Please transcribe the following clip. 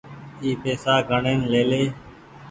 اي پئيسا گڻين ليلي ۔